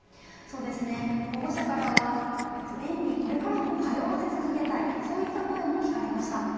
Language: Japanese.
保護者からは園にこれからも通わせ続けたいそういった声も聞かれました。